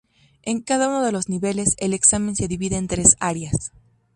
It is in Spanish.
En cada uno de los niveles, el examen se divide en tres áreas.